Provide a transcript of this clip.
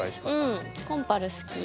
うんコンパル好き。